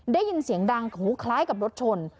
ได้ยินเสียงดังหูคล้ายกับรถชน